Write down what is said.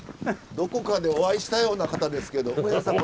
どこかでお会いしたような方ですけど。